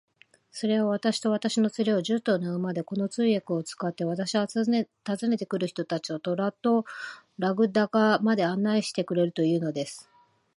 それは、私と私の連れを、十頭の馬で、この通訳を使って、私は訪ねて来る人たちとトラルドラグダカまで案内してくれるというのです。